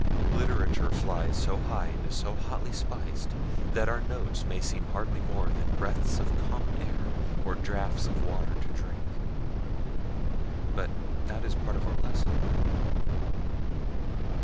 Literature flies so high and is so hotly spiced, that our notes may seem hardly more than breaths of common air, or draughts of water to drink. But that is part of our lesson.